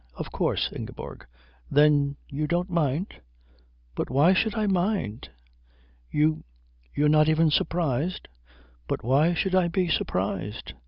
Of course, Ingeborg." "Then you don't mind?" "But why should I mind?" "You you're not even surprised?" "But why should I be surprised?"